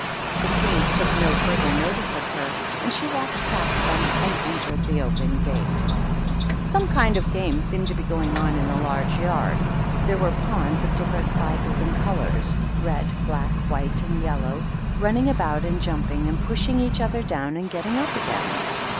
The Queens took no further notice of her, and she walked past them and entered the open gate. THE KINDERGARTEN. .201 Some kind of game seemed to be going on in a large yard. There were pawns of diflferejit sizes and colors — ^red, black, white, and yellow — run ning about, and jumping, and pushing each other down, and getting up again.